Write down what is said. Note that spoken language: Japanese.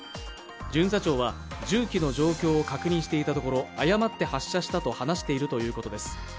巡査長は銃器の状況を確認していたところ誤って発射したと話しているということです。